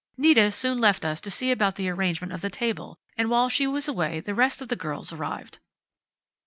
Nita soon left us to see about the arrangement of the table, and while she was away the rest of the girls arrived."